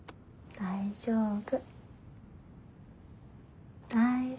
大丈夫。